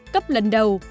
cấp lần đầu